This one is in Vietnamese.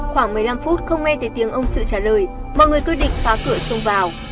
khoảng một mươi năm phút không nghe thấy tiếng ông sự trả lời mọi người quyết định phá cửa sông vào